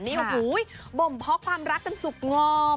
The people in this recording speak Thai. โหบมเพาะความรักจันสุกงอม